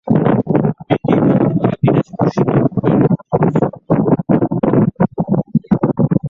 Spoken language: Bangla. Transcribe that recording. এটি বর্তমানে দিনাজপুর শিক্ষা বোর্ডের অধীনস্থ।